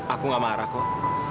aku gak marah kok